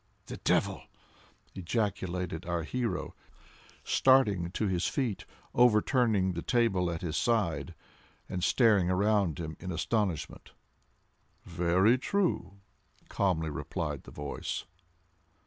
"The devil!" ejaculated our hero, starting to his feet, overturning the table at his side, and staring around him in astonishment. "Very true," calmly replied the voice.